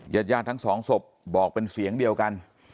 ยัดยาทั้ง๒ศพบอกเป็นเสียงเดียวกัน